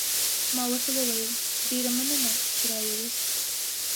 ما ورته وویل: ډېره مننه، چې را يې وست.